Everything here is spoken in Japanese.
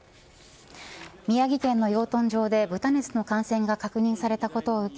宮城県の養豚場で豚熱の感染が確認されたことを受け